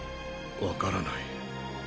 わからない。